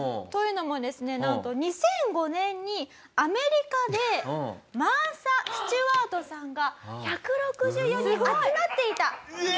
というのもですねなんと２００５年にアメリカでマーサ・スチュワートさんが１６４人集まっていた。